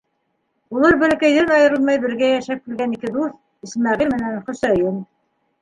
Улар — бәләкәйҙән айырылмай бергә йәшәп килгән ике дуҫ — Исмәғил менән Хөсәйен.